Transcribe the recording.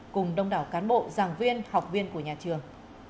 cùng đông đảo cán bộ giảng viên học viên của nhà trường